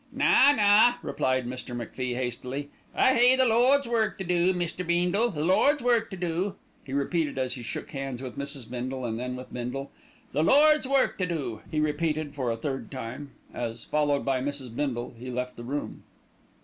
"Na, na!" replied Mr. MacFie hastily, "I hae the Lord's work to do, Mr. Beendle, the Lord's work to do," he repeated as he shook hands with Mrs. Bindle and then with Bindle. "The Lord's work to do," he repeated for a third time as, followed by Mrs. Bindle, he left the room.